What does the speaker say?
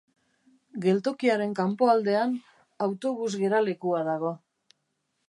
Geltokiaren kanpoaldean autobus geralekua dago.